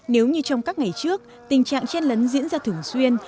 nếu như trong các ngày trước tình trạng chen lấn diễn ra thường xuyên